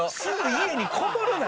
家にこもるな！